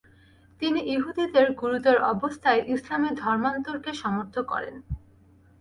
তিনি ইহুদিদের গুরুতর অবস্থায় ইসলামে ধর্মান্তরকে সমর্থন করেন।